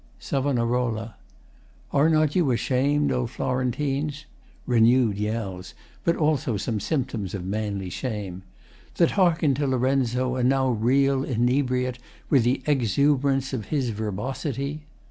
SAV. Are not you ashamed, O Florentines, [Renewed yells, but also some symptoms of manly shame.] That hearken'd to Lorenzo and now reel Inebriate with the exuberance Of his verbosity?